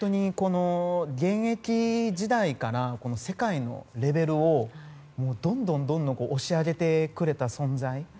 現役時代から世界のレベルをどんどん押し上げてくれた存在。